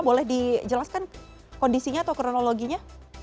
boleh dijelaskan kondisinya atau kronologinya